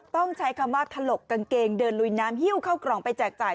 ต้องใช้คำว่าถลกกางเกงเดินลุยน้ำหิ้วเข้ากล่องไปแจกจ่าย